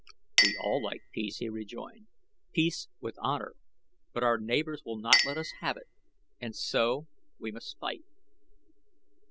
"We all like peace," he rejoined; "peace with honor; but our neighbors will not let us have it, and so we must fight."